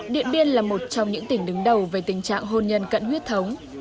điện biên là một trong những tỉnh đứng đầu về tình trạng hôn nhân cận huyết thống